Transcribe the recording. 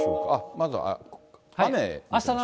まずは雨。